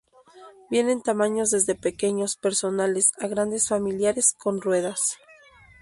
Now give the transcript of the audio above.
Vienen en tamaños desde pequeños personales a grandes familiares con ruedas.